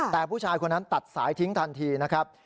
แต่ผู้ชายคนนั้นตัดสายทิ้งทันทีนะครับ